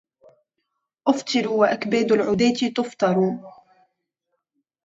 أفطر وأكباد العداة تفطر